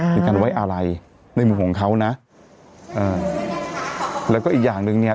เป็นการไว้อะไรในมุมของเขานะเอ่อแล้วก็อีกอย่างหนึ่งเนี้ย